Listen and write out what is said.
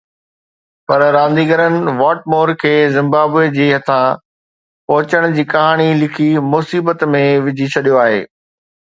پر رانديگرن واٽمور کي زمبابوي جي هٿان پهچڻ جي ڪهاڻي لکي مصيبت ۾ وجهي ڇڏيو آهي